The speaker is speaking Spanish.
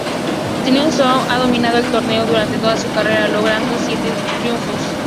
Tiger Woods ha dominado el torneo durante toda su carrera, logrando siete triunfos.